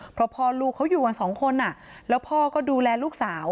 เพราะพ่อลูกเขาอยู่กันสองคนแล้วพ่อก็ดูแลลูกสาว